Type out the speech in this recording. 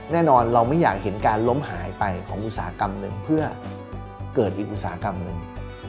แน่นอนเราไม่อยากเห็นการล้มหายไปของอุตสาหกรรมหนึ่งเพื่อเกิดอีกอุตสาหกรรมหนึ่ง